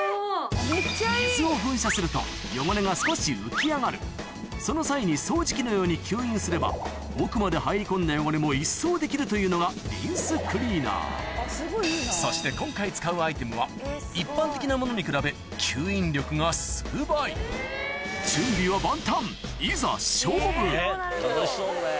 水を噴射すると汚れが少し浮き上がるその際に掃除機のように吸引すれば奥まで入り込んだ汚れも一掃できるというのがリンスクリーナーそして今回使うアイテムは一般的なモノに比べいきましょう。